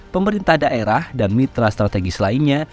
pemerintah daerah dan mitra strategis lainnya